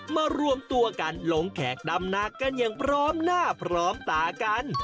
มารวมตัวกันลงแขกดำนากันอย่างพร้อมหน้าพร้อมตากัน